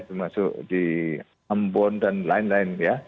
termasuk di ambon dan lain lain ya